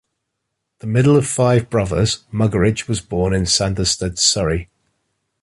The middle of five brothers, Muggeridge was born in Sanderstead, Surrey.